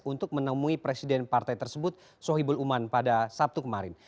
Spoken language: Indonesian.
untuk menemui presiden partai tersebut sohibul uman pada sabtu kemarin